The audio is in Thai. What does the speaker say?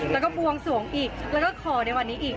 แล้วก็บวงสวงอีกแล้วก็ขอในวันนี้อีก